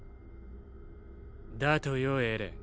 だとよエレン。